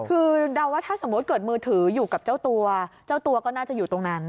คือเดาว่าถ้าสมมุติเกิดมือถืออยู่กับเจ้าตัวเจ้าตัวก็น่าจะอยู่ตรงนั้น